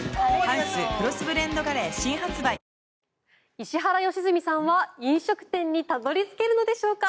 石原良純さんは飲食店にたどり着けるのでしょうか？